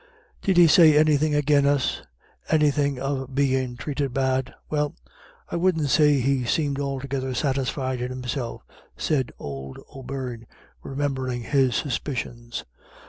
"Did he say anythin' agin us? Anythin' of bein' thrated bad?" "Well, I wouldn't say he seemed altogether satisfied in himself," said old O'Beirne, remembering his suspicions.